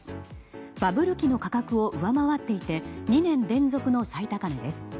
バブル期の価格を上回っていて２年連続の最高値です。